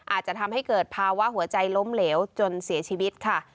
อาจจะทำให้เกิดภาวะหัวใจล้มเหลวจนเสียชีวิตค่ะ